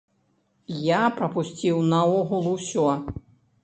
Я прапусціў наогул усё!